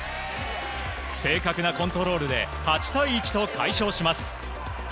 正確なコントロールで８対１と快勝します。